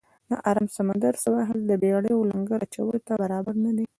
د آرام سمندر سواحل د بېړیو لنګر اچولو ته برابر نه دی.